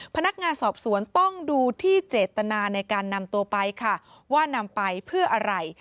พนักงานสอบสวนต้องดูที่เจตนาในการนำตัวไปค่ะว่านำไปเพื่ออะไร